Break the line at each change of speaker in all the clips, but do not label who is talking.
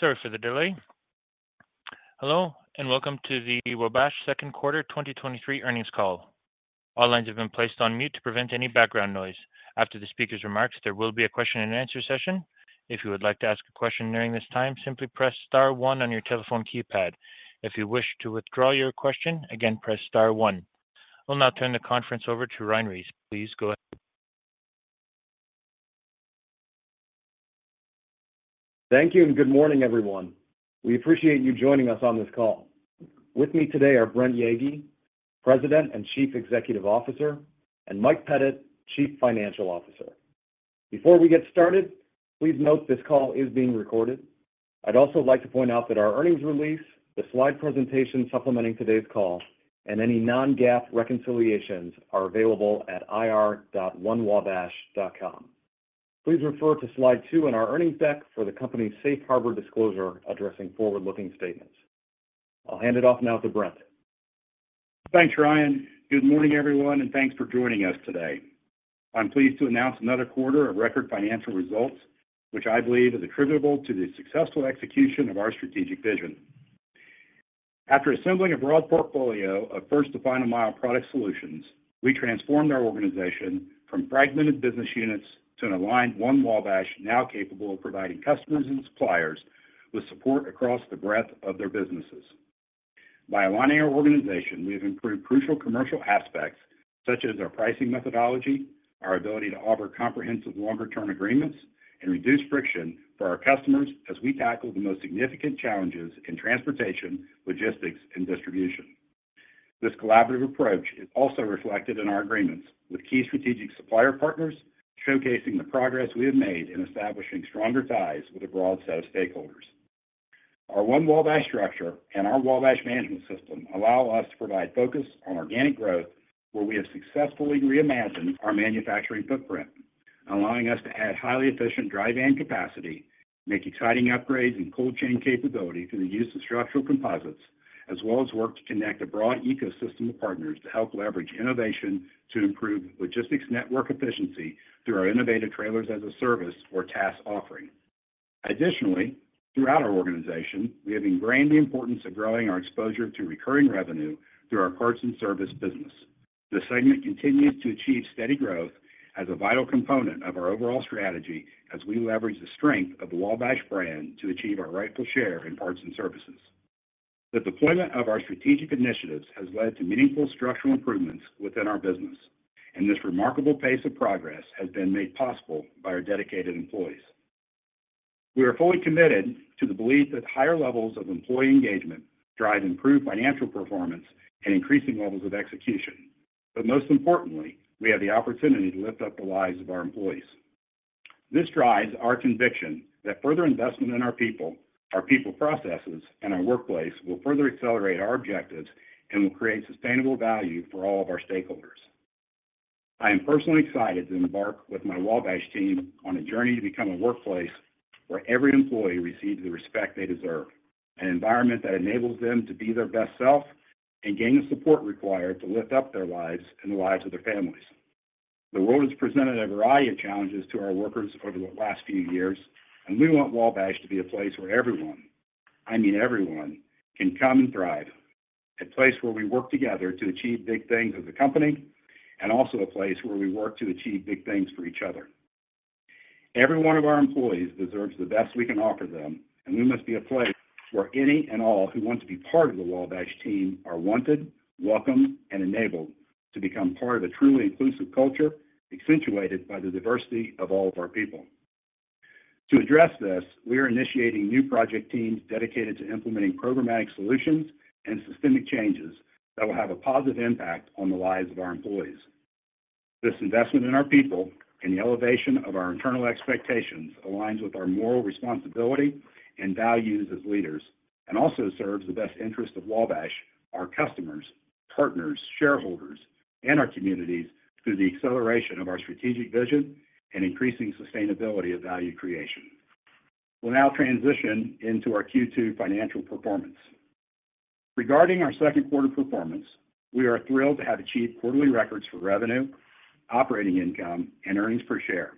Sorry for the delay. Hello, and welcome to the Wabash Q2 2023 earnings call. All lines have been placed on mute to prevent any background noise. After the speaker's remarks, there will be a question-and-answer session. If you would like to ask a question during this time, simply press star one on your telephone keypad. If you wish to withdraw your question, again, press star one. I will now turn the conference over to Ryan Reed. Please go ahead.
Thank you, and good morning, everyone. We appreciate you joining us on this call. With me today are Brent Yeagy, President and Chief Executive Officer, and Mike Pettit, Chief Financial Officer. Before we get started, please note this call is being recorded. I'd also like to point out that our earnings release, the slide presentation supplementing today's call, and any non-GAAP reconciliations are available at ir.onewabash.com. Please refer to slide two in our earnings deck for the company's Safe Harbor disclosure addressing forward-looking statements. I'll hand it off now to Brent.
Thanks, Ryan. Good morning, everyone, thanks for joining us today. I'm pleased to announce another quarter of record financial results, which I believe is attributable to the successful execution of our strategic vision. After assembling a broad portfolio of first to final mile product solutions, we transformed our organization from fragmented business units to an aligned One Wabash, now capable of providing customers and suppliers with support across the breadth of their businesses. By aligning our organization, we have improved crucial commercial aspects such as our pricing methodology, our ability to offer comprehensive longer-term agreements, and reduce friction for our customers as we tackle the most significant challenges in transportation, logistics, and distribution. This collaborative approach is also reflected in our agreements with key strategic supplier partners, showcasing the progress we have made in establishing stronger ties with a broad set of stakeholders. Our one Wabash structure and our Wabash Management System allow us to provide focus on organic growth, where we have successfully reimagined our manufacturing footprint, allowing us to add highly efficient dry van capacity, make exciting upgrades and cold chain capability through the use of structural composites, as well as work to connect a broad ecosystem of partners to help leverage innovation to improve logistics network efficiency through our innovative Trailers as a Service, or TaaS offering. Additionally, throughout our organization, we have ingrained the importance of growing our exposure to recurring revenue through our Parts and Services business. This segment continues to achieve steady growth as a vital component of our overall strategy as we leverage the strength of the Wabash brand to achieve our rightful share in Parts and Services. The deployment of our strategic initiatives has led to meaningful structural improvements within our business, and this remarkable pace of progress has been made possible by our dedicated employees. We are fully committed to the belief that higher levels of employee engagement drive improved financial performance and increasing levels of execution. Most importantly, we have the opportunity to lift up the lives of our employees. This drives our conviction that further investment in our people, our people processes, and our workplace will further accelerate our objectives and will create sustainable value for all of our stakeholders. I am personally excited to embark with my Wabash team on a journey to become a workplace where every employee receives the respect they deserve, an environment that enables them to be their best self and gain the support required to lift up their lives and the lives of their families. The world has presented a variety of challenges to our workers over the last few years, and we want Wabash to be a place where everyone, I mean everyone, can come and thrive. A place where we work together to achieve big things as a company, and also a place where we work to achieve big things for each other. Every one of our employees deserves the best we can offer them, and we must be a place where any and all who want to be part of the Wabash team are wanted, welcome, and enabled to become part of a truly inclusive culture, accentuated by the diversity of all of our people. To address this, we are initiating new project teams dedicated to implementing programmatic solutions and systemic changes that will have a positive impact on the lives of our employees. This investment in our people and the elevation of our internal expectations aligns with our moral responsibility and values as leaders, also serves the best interest of Wabash, our customers, partners, shareholders, and our communities through the acceleration of our strategic vision and increasing sustainability of value creation. We'll now transition into our Q2 financial performance. Regarding our Q2 performance, we are thrilled to have achieved quarterly records for revenue, operating income, and earnings per share.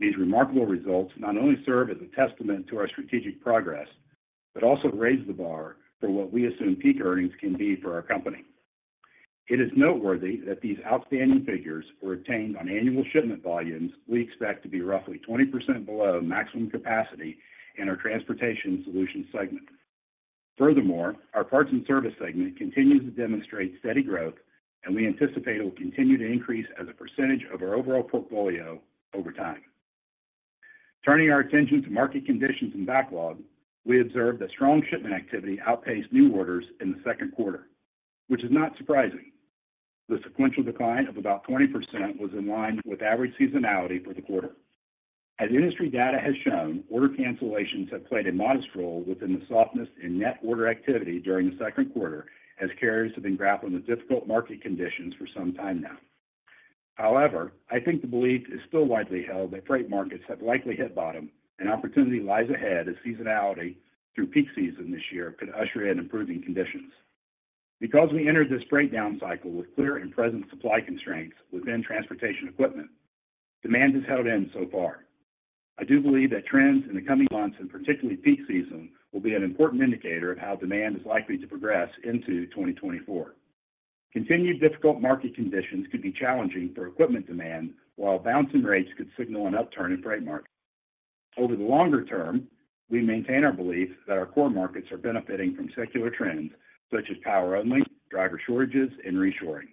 These remarkable results not only serve as a testament to our strategic progress, also raise the bar for what we assume peak earnings can be for our company. It is noteworthy that these outstanding figures were obtained on annual shipment volumes we expect to be roughly 20% below maximum capacity in our Transportation Solutions segment. Our Parts and Services segment continues to demonstrate steady growth, and we anticipate it will continue to increase as a % of our overall portfolio over time. Turning our attention to market conditions and backlog, we observed that strong shipment activity outpaced new orders in the Q2, which is not surprising. The sequential decline of about 20% was in line with average seasonality for the quarter. As industry data has shown, order cancellations have played a modest role within the softness in net order activity during the Q2, as carriers have been grappling with difficult market conditions for some time now. I think the belief is still widely held that freight markets have likely hit bottom, and opportunity lies ahead as seasonality through peak season this year could usher in improving conditions.... We entered this breakdown cycle with clear and present supply constraints within transportation equipment, demand has held in so far. I do believe that trends in the coming months, and particularly peak season, will be an important indicator of how demand is likely to progress into 2024. Continued difficult market conditions could be challenging for equipment demand, while bouncing rates could signal an upturn in freight market. Over the longer term, we maintain our belief that our core markets are benefiting from secular trends, such as power-only, driver shortages, and reshoring.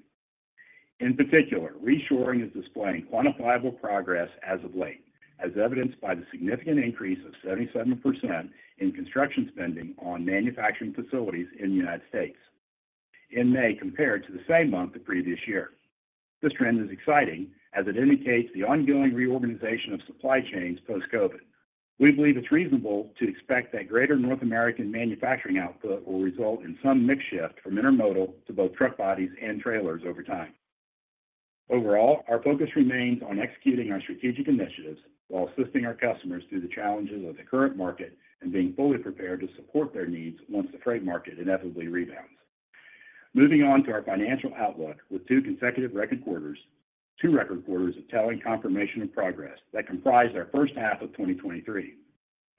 In particular, reshoring is displaying quantifiable progress as of late, as evidenced by the significant increase of 77% in construction spending on manufacturing facilities in the United States in May, compared to the same month the previous year. This trend is exciting as it indicates the ongoing reorganization of supply chains post-COVID. We believe it's reasonable to expect that greater North American manufacturing output will result in some mix shift from intermodal to both truck bodies and trailers over time. Overall, our focus remains on executing our strategic initiatives while assisting our customers through the challenges of the current market and being fully prepared to support their needs once the freight market inevitably rebounds. Moving on to our financial outlook. With two consecutive record quarters of telling confirmation and progress that comprised our first half of 2023,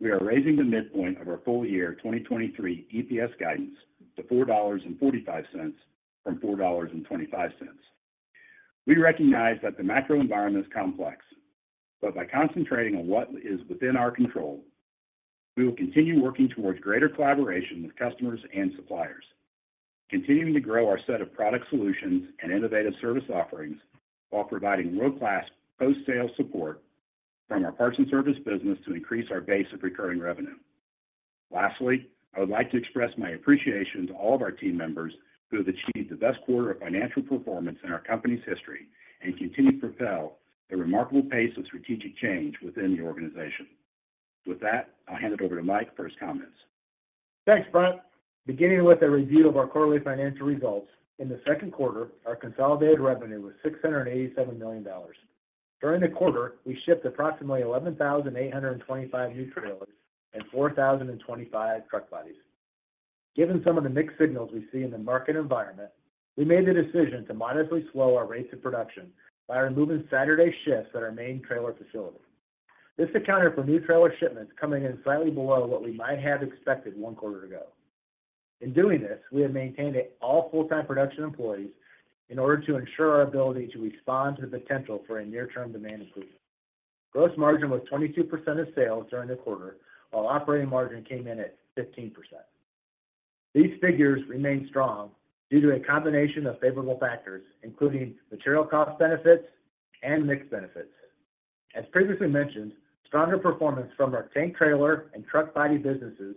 we are raising the midpoint of our full year 2023 EPS guidance to $4.45 from $4.25. By concentrating on what is within our control, we will continue working towards greater collaboration with customers and suppliers, continuing to grow our set of product solutions and innovative service offerings while providing world-class post-sale support from our Parts and Services business to increase our base of recurring revenue. Lastly, I would like to express my appreciation to all of our team members who have achieved the best quarter of financial performance in our company's history and continue to propel the remarkable pace of strategic change within the organization. With that, I'll hand it over to Mike for his comments.
Thanks, Brent. Beginning with a review of our quarterly financial results, in the Q2, our consolidated revenue was $687 million. During the quarter, we shipped approximately 11,825 new trailers and 4,025 truck bodies. Given some of the mixed signals we see in the market environment, we made the decision to modestly slow our rates of production by removing Saturday shifts at our main trailer facility. This accounted for new trailer shipments coming in slightly below what we might have expected one quarter ago. In doing this, we have maintained all full-time production employees in order to ensure our ability to respond to the potential for a near-term demand improvement. Gross margin was 22% of sales during the quarter, while operating margin came in at 15%. These figures remain strong due to a combination of favorable factors, including material cost benefits and mix benefits. As previously mentioned, stronger performance from our tank trailer and truck body businesses,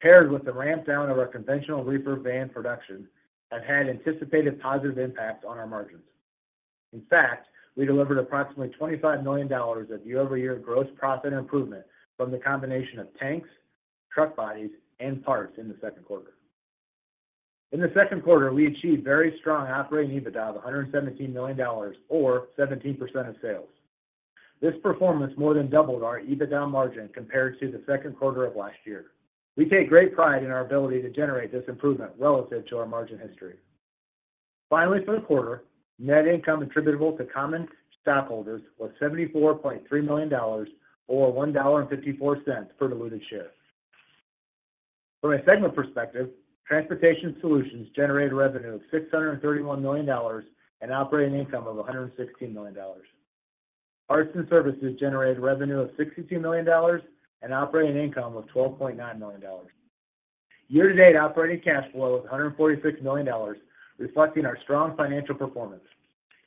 paired with the ramp down of our conventional reefer van production, have had anticipated positive impacts on our margins. In fact, we delivered approximately $25 million of year-over-year gross profit improvement from the combination of tanks, truck bodies, and parts in the Q2. In the Q2, we achieved very strong Operating EBITDA of $117 million or 17% of sales. This performance more than doubled our EBITDA margin compared to the Q2 of last year. We take great pride in our ability to generate this improvement relative to our margin history. Finally, for the quarter, net income attributable to common stockholders was $74.3 million, or $1.54 per diluted share. From a segment perspective, Transportation Solutions generated revenue of $631 million and operating income of $116 million. Parts and Services generated revenue of $62 million and operating income of $12.9 million. Year-to-date operating cash flow was $146 million, reflecting our strong financial performance.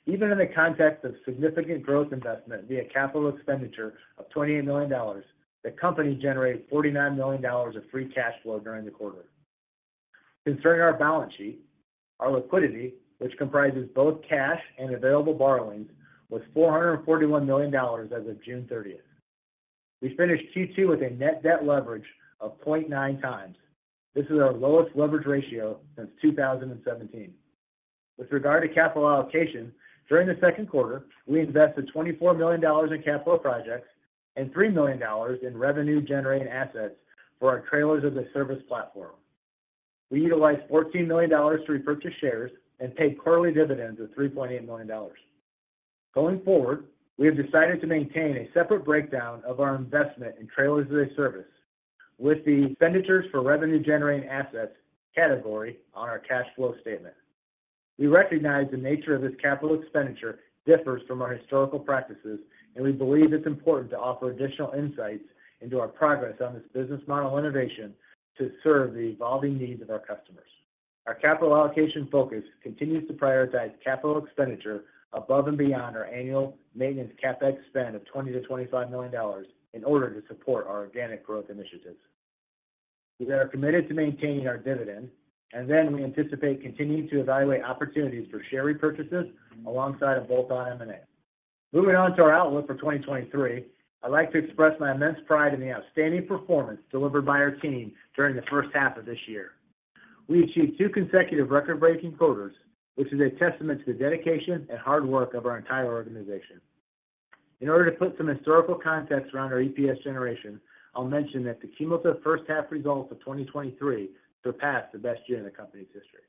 Even in the context of significant growth investment via CapEx of $28 million, the company generated $49 million of free cash flow during the quarter. Concerning our balance sheet, our liquidity, which comprises both cash and available borrowings, was $441 million as of June 30th. We finished Q2 with a net debt leverage of 0.9 times. This is our lowest leverage ratio since 2017. With regard to capital allocation, during the Q2, we invested $24 million in capital projects and $3 million in revenue-generating assets for our Trailers-as-a-Service platform. We utilized $14 million to repurchase shares and paid quarterly dividends of $3.8 million. Going forward, we have decided to maintain a separate breakdown of our investment in Trailers-as-a-Service with the expenditures for revenue-generating assets category on our cash flow statement. We recognize the nature of this capital expenditure differs from our historical practices, and we believe it's important to offer additional insights into our progress on this business model innovation to serve the evolving needs of our customers. Our capital allocation focus continues to prioritize capital expenditure above and beyond our annual maintenance CapEx spend of $20 million-$25 million in order to support our organic growth initiatives. We are committed to maintaining our dividend. We anticipate continuing to evaluate opportunities for share repurchases alongside a bolt-on M&A. Moving on to our outlook for 2023, I'd like to express my immense pride in the outstanding performance delivered by our team during the first half of this year. We achieved two consecutive record-breaking quarters, which is a testament to the dedication and hard work of our entire organization. In order to put some historical context around our EPS generation, I'll mention that the cumulative first half results of 2023 surpassed the best year in the company's history.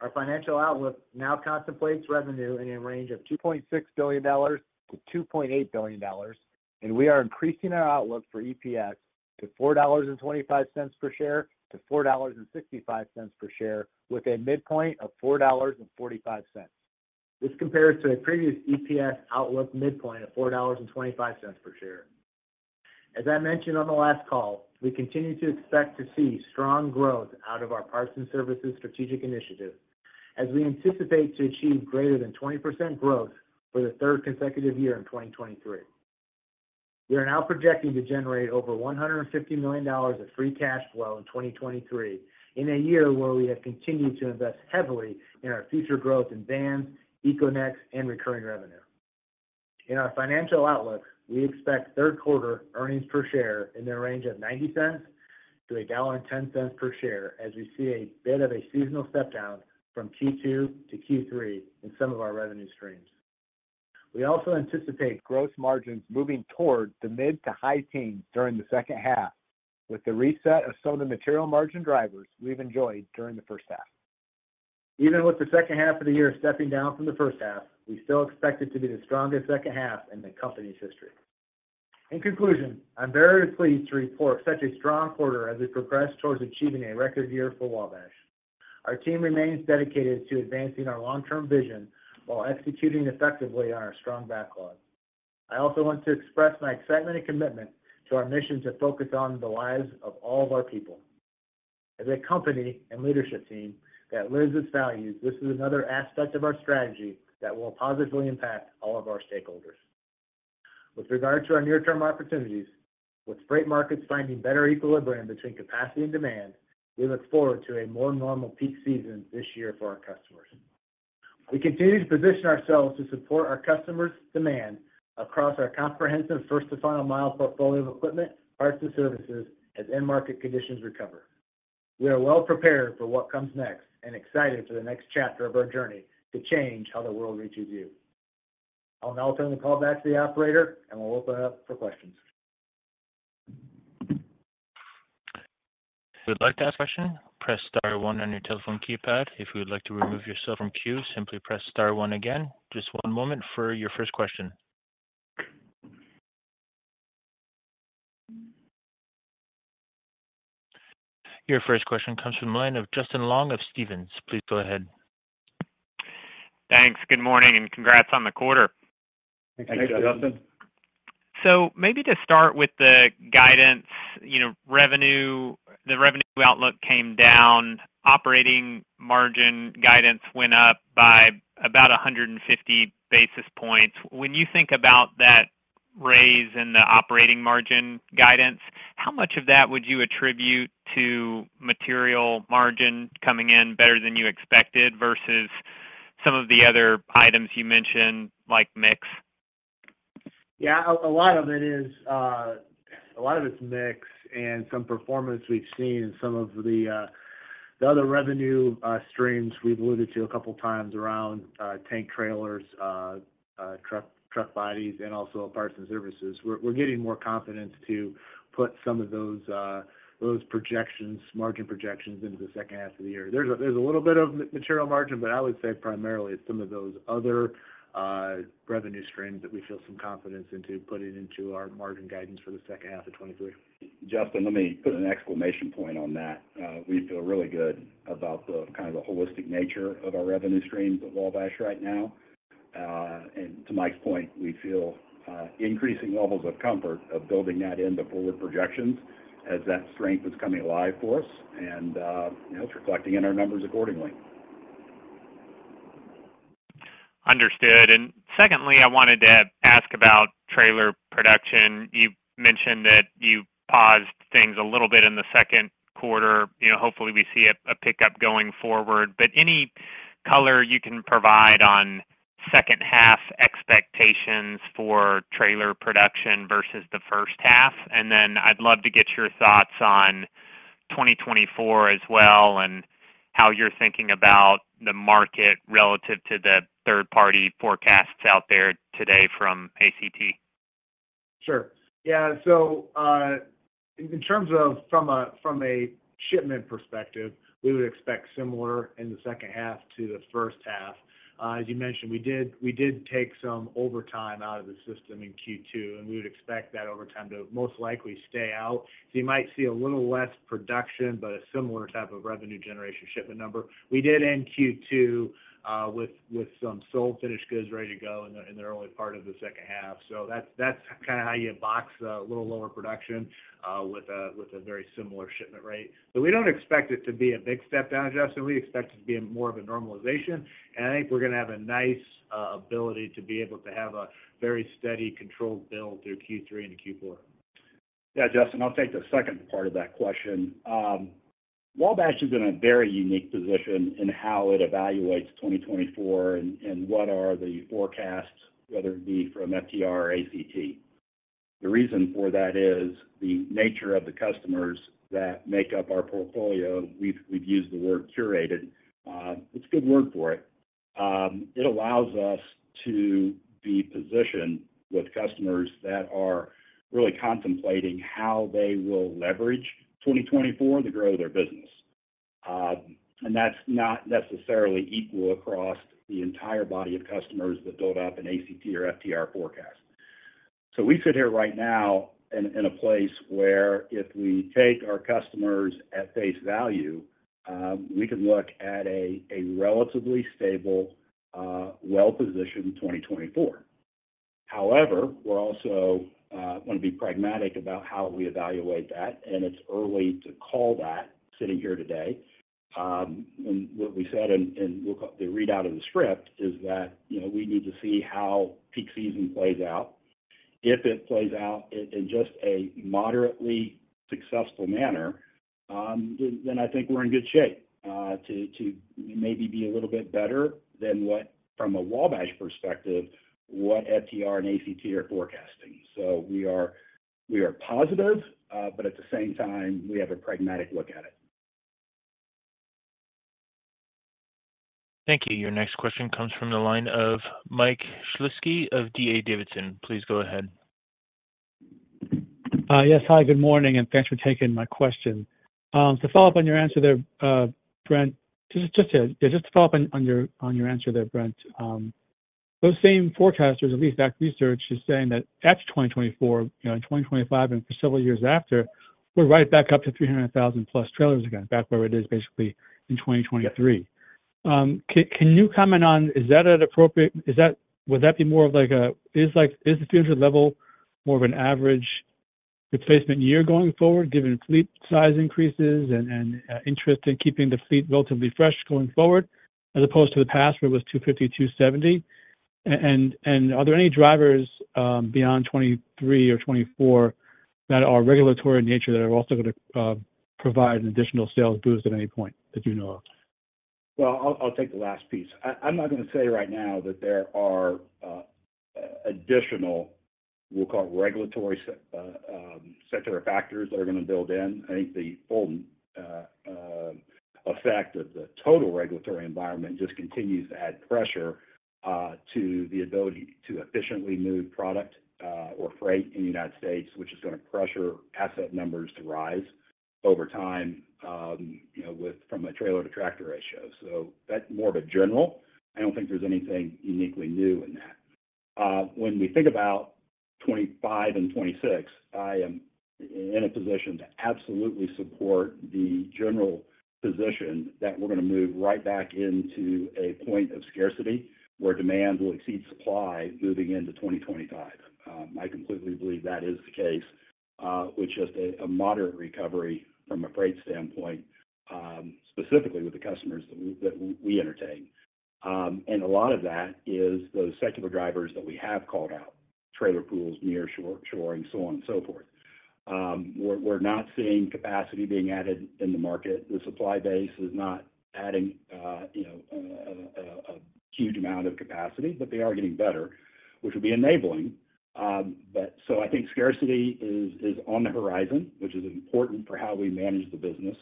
Our financial outlook now contemplates revenue in a range of $2.6 billion-$2.8 billion, and we are increasing our outlook for EPS to $4.25 per share-$4.65 per share, with a midpoint of $4.45. This compares to a previous EPS outlook midpoint of $4.25 per share. As I mentioned on the last call, we continue to expect to see strong growth out of our Parts and Services strategic initiative, as we anticipate to achieve greater than 20% growth for the 3rd consecutive year in 2023. We are now projecting to generate over $150 million of free cash flow in 2023, in a year where we have continued to invest heavily in our future growth in Vans, EcoNex, and recurring revenue. In our financial outlook, we expect Q3 earnings per share in the range of $0.90 to $1.10 per share, as we see a bit of a seasonal step down from Q2 to Q3 in some of our revenue streams. We also anticipate gross margins moving toward the mid to high teens during the second half, with the reset of some of the material margin drivers we've enjoyed during the first half. Even with the second half of the year stepping down from the first half, we still expect it to be the strongest second half in the company's history. In conclusion, I'm very pleased to report such a strong quarter as we progress towards achieving a record year for Wabash. Our team remains dedicated to advancing our long-term vision while executing effectively on our strong backlog. I also want to express my excitement and commitment to our mission to focus on the lives of all of our people. As a company and leadership team that lives its values, this is another aspect of our strategy that will positively impact all of our stakeholders. With regard to our near-term opportunities, with freight markets finding better equilibrium between capacity and demand, we look forward to a more normal peak season this year for our customers. We continue to position ourselves to support our customers' demand across our comprehensive first to final mile portfolio of equipment, parts, and services, as end market conditions recover. We are well prepared for what comes next and excited for the next chapter of our journey to change how the world reaches you. I'll now turn the call back to the operator, and we'll open it up for questions.
If you would like to ask a question, press star one on your telephone keypad. If you would like to remove yourself from queue, simply press star one again. Just 1 moment for your first question. Your first question comes from the line of Justin Long of Stephens. Please go ahead.
Thanks. Good morning, and congrats on the quarter.
Thanks, Justin.
Thanks, Justin.
Maybe to start with the guidance, you know, revenue, the revenue outlook came down, operating margin guidance went up by about 150 basis points. When you think about that raise in the operating margin guidance, how much of that would you attribute to material margin coming in better than you expected versus some of the other items you mentioned, like mix?
Yeah, lot of it is, lot of it's mix and some performance we've seen in some of the other revenue streams we've alluded to a couple of times around tank trailers, truck bodies, and also Parts and Services. We're getting more confidence to put some of those those projections, margin projections into the second half of the year. There's a little bit of material margin, but I would say primarily it's some of those other revenue streams that we feel some confidence into putting into our margin guidance for the second half of 2023.
Justin, let me put an exclamation point on that. We feel really good about the kind of the holistic nature of our revenue streams at Wabash right now. To Mike's point, we feel increasing levels of comfort of building that into forward projections as that strength is coming alive for us, and, you know, it's reflecting in our numbers accordingly.
Understood. Secondly, I wanted to ask about trailer production. You mentioned that you paused things a little bit in the Q2. You know, hopefully, we see a pickup going forward, but any color you can provide on second half expectations for trailer production versus the first half? Then I'd love to get your thoughts on 2024 as well, and how you're thinking about the market relative to the third-party forecasts out there today from ACT.
Sure. In terms of from a shipment perspective, we would expect similar in the second half to the first half. As you mentioned, we did take some overtime out of the system in Q2, and we would expect that overtime to most likely stay out. You might see a little less production, but a similar type of revenue generation shipment number. We did end Q2 with some sold finished goods ready to go in the early part of the second half. That's kinda how you box a little lower production with a very similar shipment rate. We don't expect it to be a big step down, Justin, we expect it to be more of a normalization, and I think we're gonna have a nice ability to be able to have a very steady, controlled build through Q3 into Q4.
Yeah, Justin, I'll take the second part of that question. Wabash is in a very unique position in how it evaluates 2024 and what are the forecasts, whether it be from FTR or ACT. The reason for that is the nature of the customers that make up our portfolio. We've used the word curated. It's a good word for it. It allows us to be positioned with customers that are really contemplating how they will leverage 2024 to grow their business. That's not necessarily equal across the entire body of customers that build up an ACT or FTR forecast. We sit here right now in a place where if we take our customers at face value, we can look at a relatively stable, well-positioned 2024. However, we're also gonna be pragmatic about how we evaluate that. It's early to call that, sitting here today. What we said in the readout of the script is that, you know, we need to see how peak season plays out. If it plays out in just a moderately successful manner, then I think we're in good shape to maybe be a little bit better than what, from a Wabash perspective, what FTR and ACT are forecasting. We are positive, but at the same time, we have a pragmatic look at it.
Thank you. Your next question comes from the line of Mike Shlisky of D.A. Davidson. Please go ahead.
Yes, hi, good morning, thanks for taking my question. To follow up on your answer there, Brent, those same forecasters, at least that research, is saying that after 2024, you know, in 2025 and for several years after, we're right back up to 300,000 plus trailers again, back where it is basically in 2023. Can you comment on, would that be more of like a, is the 300 level more of an average replacement year going forward, given fleet size increases and interest in keeping the fleet relatively fresh going forward, as opposed to the past, where it was 250, 270? Are there any drivers beyond 23 or 24 that are regulatory in nature, that are also gonna provide an additional sales boost at any point that you know of?
Well, I'll take the last piece. I'm not gonna say right now that there are additional, we'll call it regulatory secular factors that are gonna build in. I think the full effect of the total regulatory environment just continues to add pressure to the ability to efficiently move product or freight in the United States, which is gonna pressure asset numbers to rise over time, you know, from a trailer-to-tractor ratio. That's more of a general. I don't think there's anything uniquely new in that. When we think about 25 and 26, I am in a position to absolutely support the general position that we're gonna move right back into a point of scarcity, where demand will exceed supply moving into 2025. I completely believe that is the case, which is a moderate recovery from a freight standpoint, specifically with the customers that we entertain. A lot of that is those secular drivers that we have called out, trailer pools, nearshoring, so on and so forth. We're not seeing capacity being added in the market. The supply base is not adding a huge amount of capacity, they are getting better, which will be enabling. I think scarcity is on the horizon, which is important for how we manage the business.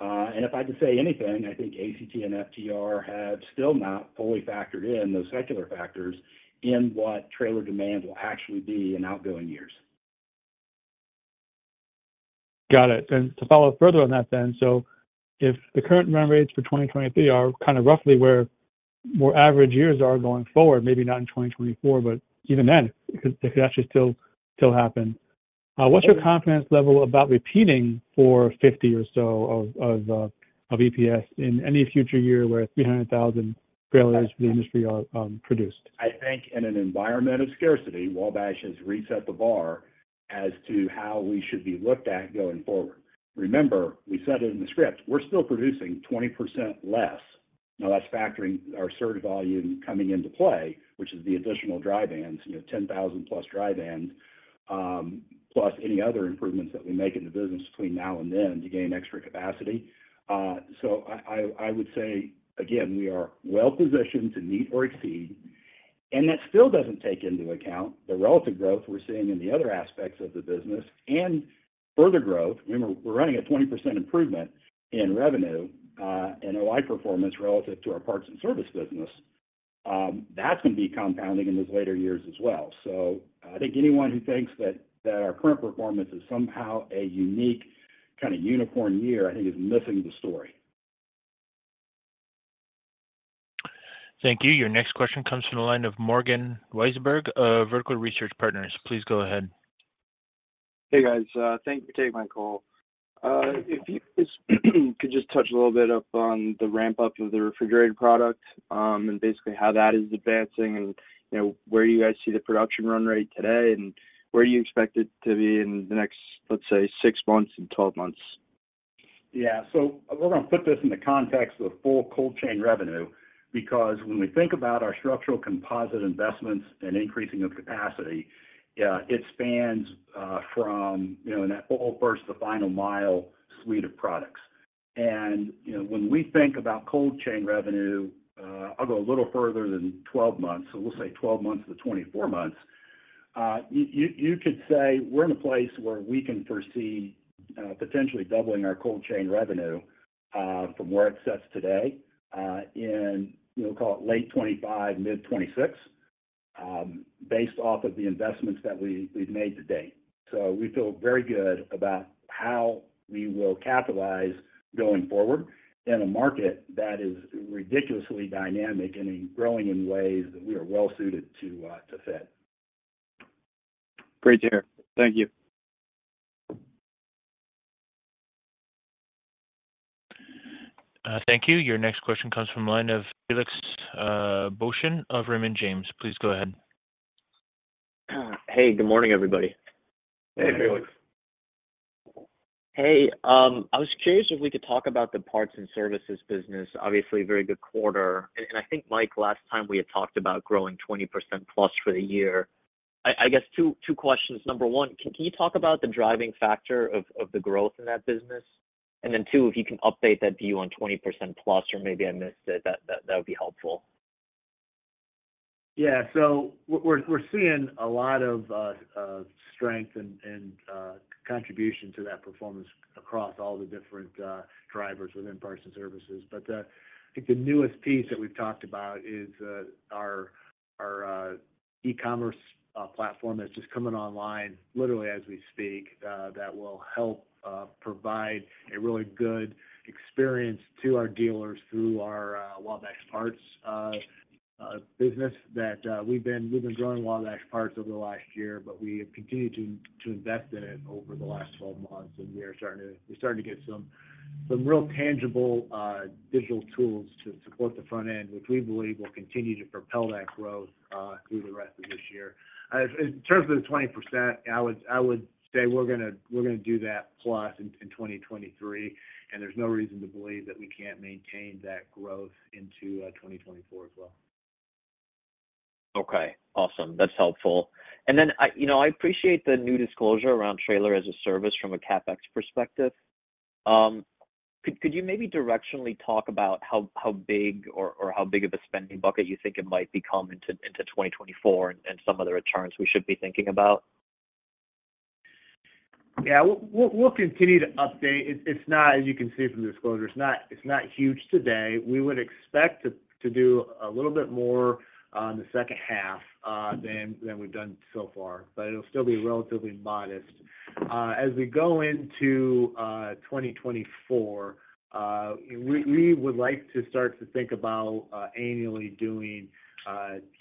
If I had to say anything, I think ACT and FTR have still not fully factored in those secular factors in what trailer demand will actually be in outgoing years.
Got it. To follow further on that then, if the current run rates for 2023 are kind of roughly where more average years are going forward, maybe not in 2024, but even then, it could actually still happen. What's your confidence level about repeating for $0.50 or so of EPS in any future year where 300,000 trailers for the industry are produced?
I think in an environment of scarcity, Wabash has reset the bar as to how we should be looked at going forward. Remember, we said it in the script, we're still producing 20% less. That's factoring our surge volume coming into play, which is the additional dry vans, you know, 10,000 plus dry vans, plus any other improvements that we make in the business between now and then to gain extra capacity. I would say, again, we are well positioned to meet or exceed, and that still doesn't take into account the relative growth we're seeing in the other aspects of the business and further growth. Remember, we're running a 20% improvement in revenue, and OI performance relative to our Parts and Services business. That's going to be compounding in those later years as well. I think anyone who thinks that our current performance is somehow a unique kind of unicorn year, I think is missing the story.
Thank you. Your next question comes from the line of Morgan Weisberg of Vertical Research Partners. Please go ahead.
Hey, guys. Thank you for taking my call. If you could just touch a little bit upon the ramp-up of the refrigerated product, and basically how that is advancing and, you know, where you guys see the production run rate today, and where you expect it to be in the next, let's say, six months and 12 months?
Yeah. We're gonna put this in the context of full cold chain revenue, because when we think about our structural composite investments and increasing of capacity, it spans from, you know, in that all First, the Final Mile suite of products.
You know, when we think about cold chain revenue, I'll go a little further than 12 months. We'll say 12 months to 24 months. You could say we're in a place where we can foresee, potentially doubling our cold chain revenue, from where it sits today, in, we'll call it late 2025, mid 2026, based off of the investments that we've made to date. We feel very good about how we will capitalize going forward in a market that is ridiculously dynamic and growing in ways that we are well suited to fit.
Great to hear. Thank you.
Thank you. Your next question comes from the line of Felix Boeschen of Raymond James. Please go ahead.
Hey, good morning, everybody.
Hey, Felix.
Hey.
Hey, I was curious if we could talk about the Parts and Services business. Obviously, a very good quarter, and I think, Mike, last time we had talked about growing 20%+ for the year. I guess two questions. Number one, can you talk about the driving factor of the growth in that business? Then two, if you can update that view on 20%+, or maybe I missed it, that would be helpful.
Yeah. We're seeing a lot of strength and contribution to that performance across all the different drivers within Parts and Services. I think the newest piece that we've talked about is our e-commerce platform that's just coming online, literally as we speak, that will help provide a really good experience to our dealers through our Wabash Parts business, that we've been growing Wabash Parts over the last year, but we have continued to invest in it over the last 12 months, and we're starting to get some real tangible digital tools to support the front end, which we believe will continue to propel that growth through the rest of this year. In terms of the 20%, I would say we're gonna do that plus in 2023, and there's no reason to believe that we can't maintain that growth into 2024 as well.
Okay. Awesome. That's helpful. Then you know, I appreciate the new disclosure around Trailers as a Service from a CapEx perspective. Could you maybe directionally talk about how big or how big of a spending bucket you think it might become into 2024 and some other returns we should be thinking about?
Yeah, we'll continue to update. It's not, as you can see from the disclosure, it's not huge today. We would expect to do a little bit more on the second half than we've done so far, but it'll still be relatively modest. As we go into 2024, we would like to start to think about annually doing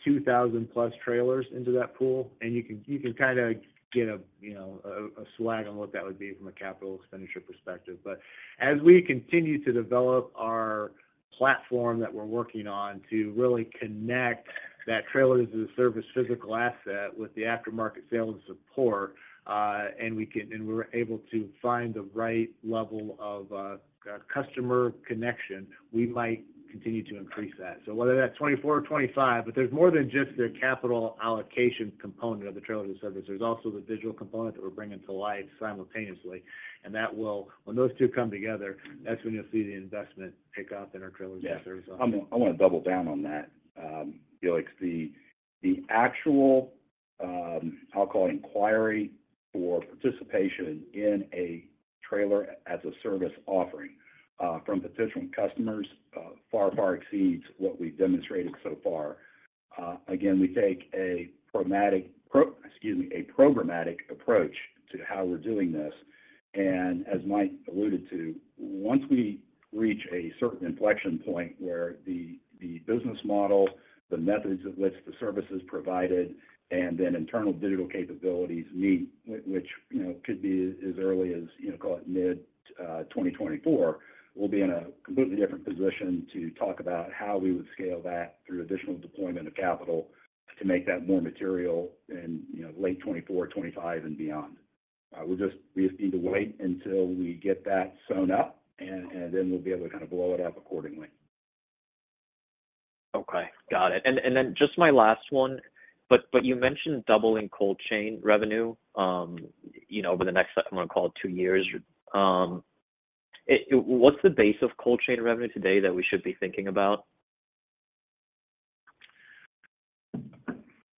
2,000 plus trailers into that pool, and you can kind of get a, you know, a swag on what that would be from a capital expenditure perspective. As we continue to develop our platform that we're working on to really connect that trailer to the service physical asset with the aftermarket sales support, and we're able to find the right level of customer connection, we might continue to increase that. Whether that's 24 or 25, there's more than just the capital allocation component of the trailer service. There's also the digital component that we're bringing to life simultaneously, when those two come together, that's when you'll see the investment pick up in our trailer service.
I want to double down on that. Felix, the actual, I'll call it inquiry for participation in a Trailers as a Service offering from potential customers far exceeds what we've demonstrated so far. Again, we take a pragmatic, excuse me, a programmatic approach to how we're doing this. As Mike alluded to, once we reach a certain inflection point where the business model, the methods of which the service is provided, and then internal digital capabilities meet, which, you know, could be as early as, you know, call it mid-2024, we'll be in a completely different position to talk about how we would scale that through additional deployment of capital to make that more material in, you know, late 2024, 2025 and beyond. We just need to wait until we get that sewn up, and then we'll be able to kind of blow it up accordingly.
Okay. Got it. Just my last one, but you mentioned doubling cold chain revenue, you know, over the next, I'm going to call it 2 years. What's the base of cold chain revenue today that we should be thinking about?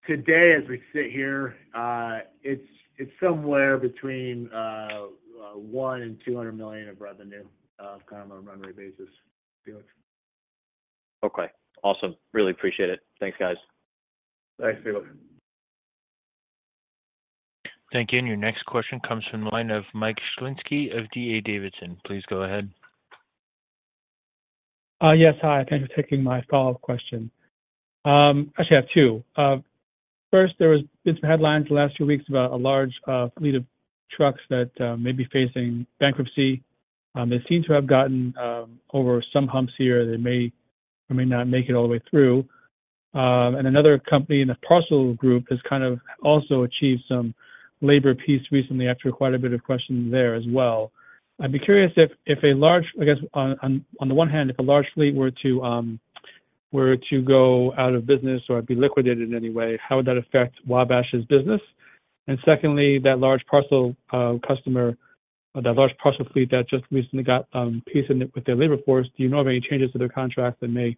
Today, as we sit here, it's somewhere between $100 million and $200 million of revenue, kind of on a run rate basis, Felix.
Okay. Awesome. Really appreciate it. Thanks, guys.
Thanks, Felix.
Thank you. Your next question comes from the line of Michael Shlisky of D.A. Davidson. Please go ahead.
Yes. Hi, thanks for taking my follow-up question. Actually, I have two. First, there's been headlines the last few weeks about a large fleet of trucks that may be facing bankruptcy. They seem to have gotten over some humps here. They may or may not make it all the way through. Another company in the parcel group has kind of also achieved some labor peace recently after quite a bit of question there as well. I'd be curious I guess on the one hand, if a large fleet were to go out of business or be liquidated in any way, how would that affect Wabash's business? Secondly, that large parcel, customer, or that large parcel fleet that just recently got peace in with their labor force, do you know of any changes to their contract that may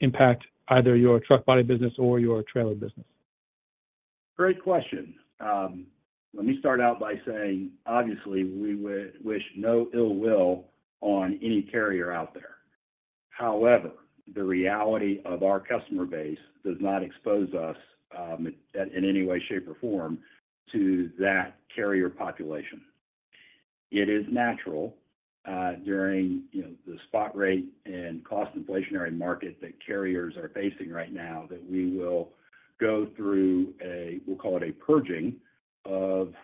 impact either your truck body business or your trailer business?
Great question. Let me start out by saying, obviously, we wish no ill will on any carrier out there. The reality of our customer base does not expose us, in any way, shape, or form to that carrier population. It is natural, during, you know, the spot rate and cost inflationary market that carriers are facing right now, that we will go through a, we'll call it a purging of,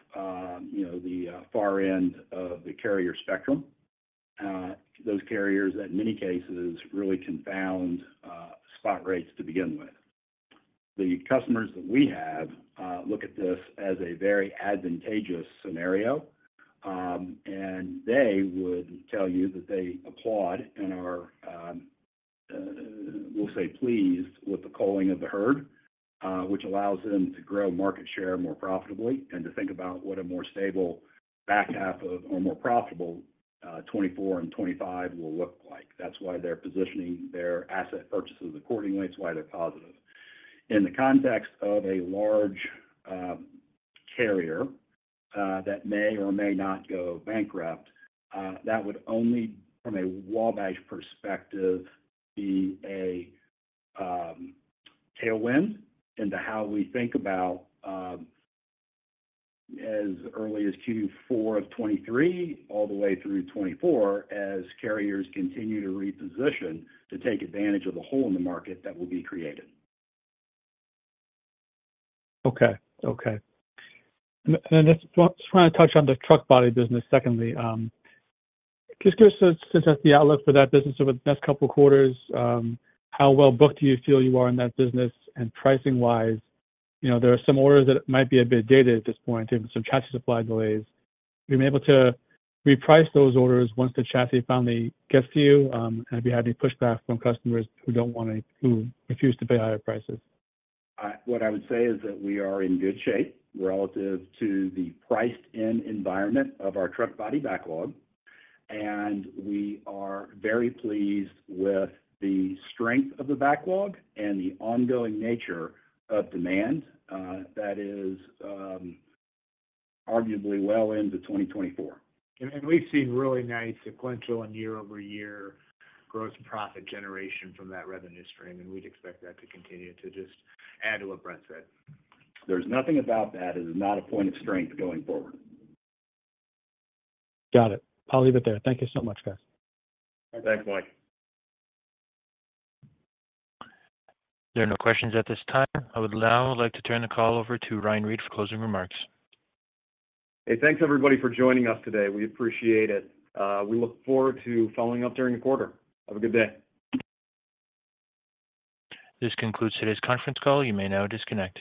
you know, the far end of the carrier spectrum. Those carriers, in many cases, really confound, spot rates to begin with. The customers that we have, look at this as a very advantageous scenario, and they would tell you that they applaud and are, we'll say, pleased with the culling of the herd, which allows them to grow market share more profitably, and to think about what a more stable back half of, or more profitable, 2024 and 2025 will look like. That's why they're positioning their asset purchases accordingly. It's why they're positive. In the context of a large carrier, that may or may not go bankrupt, that would only, from a Wabash perspective, be a tailwind into how we think about, as early as Q4 of 2023 all the way through 2024, as carriers continue to reposition to take advantage of the hole in the market that will be created.
Okay. just want to touch on the truck body business secondly. just give us assess the outlook for that business over the next couple quarters. how well-booked do you feel you are in that business? Pricing-wise, you know, there are some orders that might be a bit dated at this point and some chassis supply delays. Have you been able to reprice those orders once the chassis finally gets to you, and have you had any pushback from customers who refuse to pay higher prices?
What I would say is that we are in good shape relative to the priced-in environment of our truck body backlog, and we are very pleased with the strength of the backlog and the ongoing nature of demand that is arguably well into 2024.
We've seen really nice sequential and year-over-year gross profit generation from that revenue stream, and we'd expect that to continue, to just add to what Brent said.
There's nothing about that that is not a point of strength going forward.
Got it. I'll leave it there. Thank you so much, guys.
Thanks, Michael.
There are no questions at this time. I would now like to turn the call over to Ryan Reed for closing remarks.
Hey, thanks everybody for joining us today. We appreciate it. We look forward to following up during the quarter. Have a good day.
This concludes today's conference call. You may now disconnect.